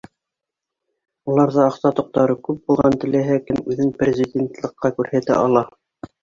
Уларҙа аҡса тоҡтары күп булған теләһә кем үҙен президентлыҡҡа күрһәтә ала